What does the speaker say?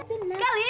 banjir banjir banjir